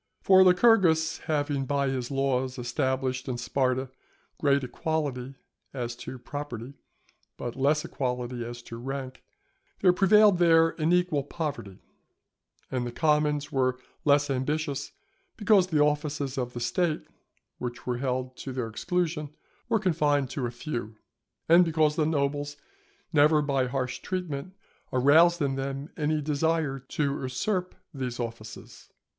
For Lycurgus having by his laws established in Sparta great equality as to property, but less equality as to rank, there prevailed there an equal poverty; and the commons were less ambitious, because the offices of the State, which were held to their exclusion, were confined to a few; and because the nobles never by harsh treatment aroused in them any desire to usurp these offices.